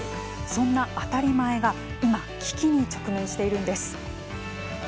そんな当たり前が今、危機に直面しているんです。